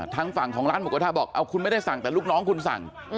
ทางฝั่งของร้านหมูกระทะบอกเอาคุณไม่ได้สั่งแต่ลูกน้องคุณสั่ง